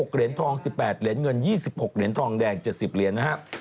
เหรียญทอง๑๘เหรียญเงิน๒๖เหรียญทองแดง๗๐เหรียญนะครับ